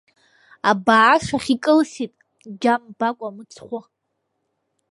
Абааш ахь икылсит, џьа мбакәа мыцхәы.